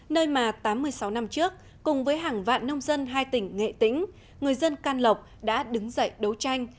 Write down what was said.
nơi mà tám mươi sáu năm trước cùng với hàng vạn nông dân hai tỉnh nghệ tĩnh người dân can lộc đã đứng dậy đấu tranh